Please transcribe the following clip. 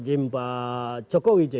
jadi saya ingin menjawab